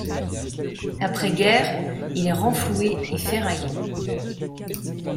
Après guerre, il est renfloué et ferraillé.